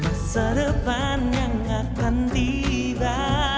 masa depan yang akan tiba